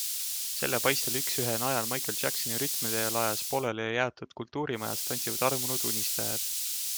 Selle paistel üksühe najal Michael Jacksoni rütmide lajas pooleli jäetud kultuurimajas tantsivad armunud, unistajad.